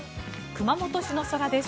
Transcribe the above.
熊本市の空です。